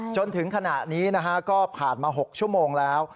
จนถึงขณะนี้ก็ผ่านมา๖ชั่วโมงแล้ว